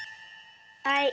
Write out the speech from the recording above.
はい。